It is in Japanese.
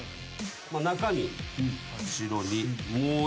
中身後ろに。